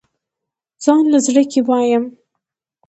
ځانله زړۀ کښې وايم